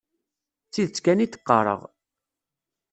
D tidet kan i d-qqareɣ.